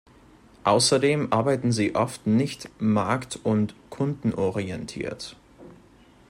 Außerdem arbeiten sie oft nicht marktund kundenorientiert.